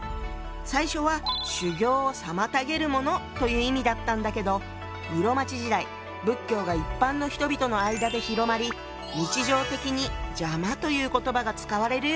最初は「修行を妨げるもの」という意味だったんだけど室町時代仏教が一般の人々の間で広まり日常的に「邪魔」という言葉が使われるようになったの。